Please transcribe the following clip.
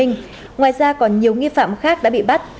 ngoài ra còn nhiều nghi phạm khác đã bị bắt